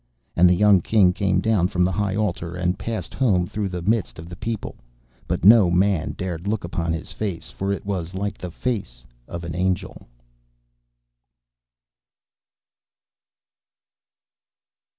And the young King came down from the high altar, and passed home through the midst of the people. But no man dared look upon his face, for it was like the face of an angel.